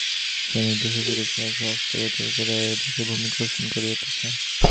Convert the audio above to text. সৈনিকেরা দেশে ফিরিয়া আসিয়াছে ও অস্ত্র পরিত্যাগ করিয়া এক্ষণে ভূমি কর্ষণ করিতেছে।